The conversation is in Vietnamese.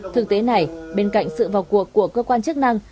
thực tế này bên cạnh sự vào cuộc của cơ quan chức năng